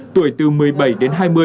tuổi từ một mươi bảy đến hai mươi